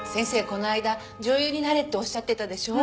この間女優になれっておっしゃってたでしょ？